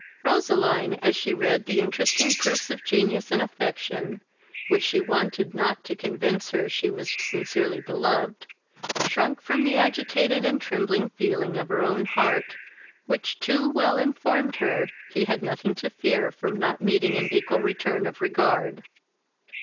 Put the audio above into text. Roseline, as she read the interesting proofs of genius and affection, which she wanted not to convince her she was sincerely beloved, shrunk from the agitated and trembling feeling of her own heart, which too well informed her he had nothing to fear from not meeting an equal return of regard.